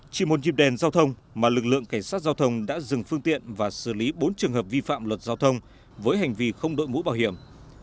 chỉ một dịp đèn giao thông mà lực lượng cảnh sát giao thông đã dừng phương tiện và xử lý bốn trường hợp vi phạm luật giao thông với hành vi không đội mũ bảo hiểm